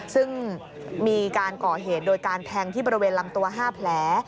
ซึ่งมีการก่อเหตุโดยการแทงที่บริเวณลำตัว๕แผล